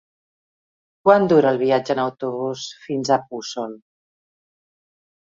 Quant dura el viatge en autobús fins a Puçol?